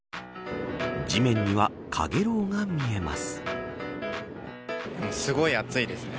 地面にはかげろうが見えます。